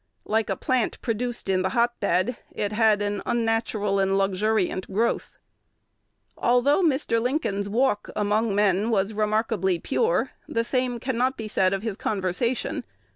Like a plant produced in the hot bed, it had an unnatural and luxuriant growth." Although Mr. Lincoln's walk among men was remarkably pure, the same cannot be said of his conversation.